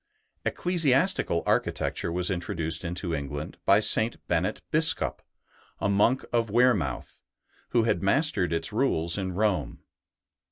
Ecclesiastical architecture was introduced into England by St. Bennet Biscop, a monk of Wearmouth, who had mastered its rules in Rome.